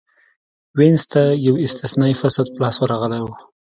وینز ته یو استثنايي فرصت په لاس ورغلی و.